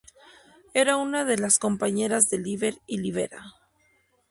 Era una de las compañeras de Liber y Libera.